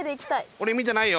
俺見てないよ。